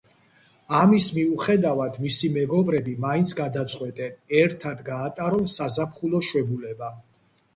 ამის მიუხედავად, მისი მეგობრები მაინც გადაწყვეტენ, ერთად გაატარონ საზაფხულო შვებულება.